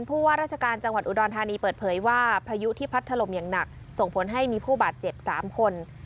ผู้ว่าราชการจังหวัดอุดรธานีเปิดเผยว่าพายุที่พัดถล่มอย่างหนักส่งผลให้มีผู้บาดเจ็บ๓คน